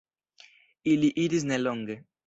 Ili iris nelonge.